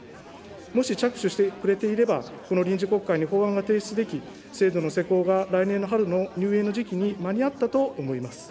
もし着手してくれていれば、この臨時国会に法案が提出でき、制度の施行が来年の春の入園の時期に間に合ったと思います。